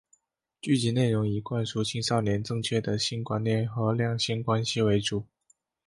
剧集内容以灌输青少年正确的性观念和两性关系为主。